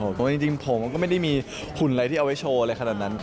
เพราะว่าจริงผมก็ไม่ได้มีหุ่นอะไรที่เอาไว้โชว์อะไรขนาดนั้น